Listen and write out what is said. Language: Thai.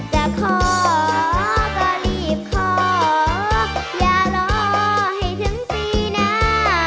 จะขอก็รีบขออย่ารอให้ถึงปีหน้า